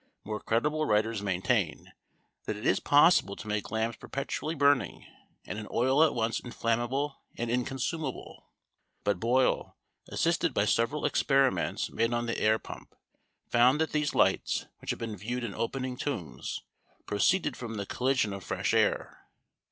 More credible writers maintain that it is possible to make lamps perpetually burning, and an oil at once inflammable and inconsumable; but Boyle, assisted by several experiments made on the air pump, found that these lights, which have been viewed in opening tombs, proceeded from the collision of fresh air.